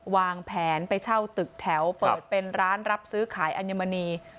วางแผนไปเช่าตึกแถวเปิดเป็นร้านรับซื้อขายอัญมณี